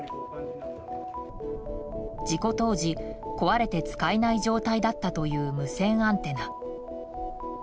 事故当時、壊れて使えない状態だったという無線アンテナ。